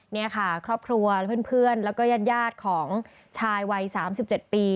นี่ค่ะครอบครัวเพื่อนแล้วก็ญาติของชายวัย๓๗ปี